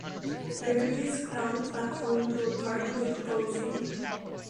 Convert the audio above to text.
Various cloud platforms were part of the proposal.